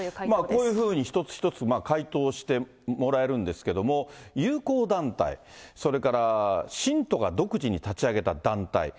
こういうふうに、一つ一つ回答してもらえるんですけれども、友好団体、それから信徒が独自に立ち上げた団体。